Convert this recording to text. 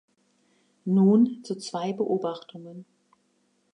Nun zu zwei Beobachtungen.